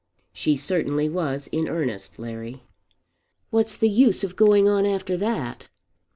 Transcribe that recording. "She certainly was in earnest, Larry." "What's the use of going on after that?